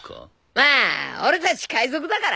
まあ俺たち海賊だからよ。